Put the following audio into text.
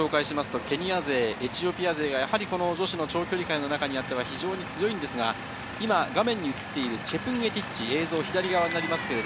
ケニア勢、エチオピア勢がやはり女子の長距離界の中にあっては非常に強いんですが、画面に映っているチェプンゲティッチ。